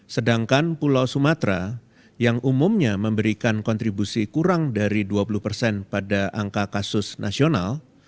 sedangkan pulau sumatera yang umumnya memberikan kontribusi kurang dari dua puluh persen pada angka kasus nasional